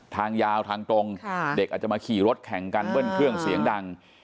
ทางยาวทางตรงเด็กอาจจะมาขี่รถแข่งกันเบิ้ลเครื่องเสียงดัง